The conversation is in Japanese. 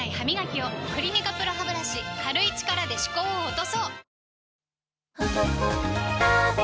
「クリニカＰＲＯハブラシ」軽い力で歯垢を落とそう！